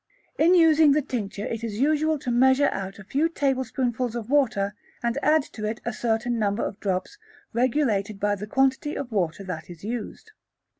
In using the tincture it is usual to measure out a few tablespoonfuls of water and to add to it a certain number of drops regulated by the quantity of water that is used.